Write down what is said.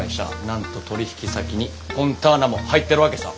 なんと取り引き先にフォンターナも入ってるわけさ。